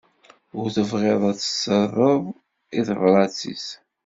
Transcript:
Ur bɣiɣ ad s-rreɣ i tebrat-is.